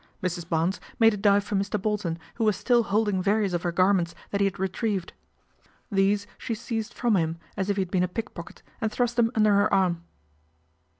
Mrs. Barnes made a live for Mr. Bolton, who was still holding various >f her garments that he had retrieved. These she 272 PATRICIA BRENT, SPINSTER seized from him as if he had been a pickpocket, and thrust them under her arm.